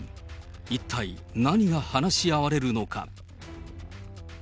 一体何が話し合われるのか。